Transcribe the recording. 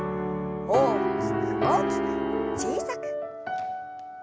大きく大きく小さく。